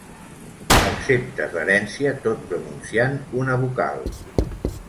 Acceptes l'herència tot pronunciant una vocal.